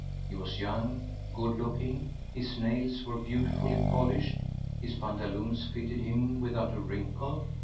He was young, good looking, his nails were beautifully polished, his pantaloons fitted him without a wrinkle.